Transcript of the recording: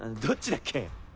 どっちだっけ？